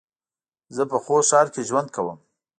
زه په خوست ښار کې ژوند کوم